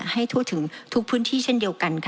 ทั่วถึงทุกพื้นที่เช่นเดียวกันค่ะ